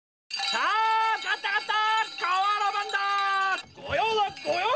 さあ買った買った！